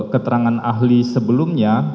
keterangan ahli sebelumnya